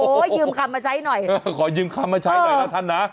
ยืมคำมาใช้หน่อยเออขอยืมคำมาใช้หน่อยนะท่านนะ